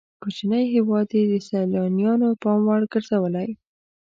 کوچنی هېواد یې د سیلانیانو پام وړ ګرځولی.